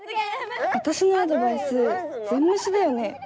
私のアドバイス全無視だよね？